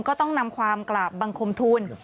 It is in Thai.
ก็ต้องนำความกราบบังคมทุน